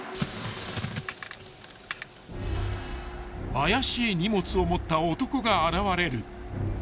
［怪しい荷物を持った男が現れる］